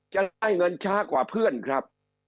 จะได้เงินช้ากว่าเพื่อนครับ